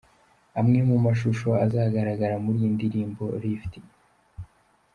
Amwe mu mashusho azagaragara muri iyi ndirimbo Lift:.